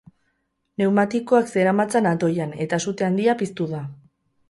Pneumatikoak zeramatzan atoian eta sute handia piztu da.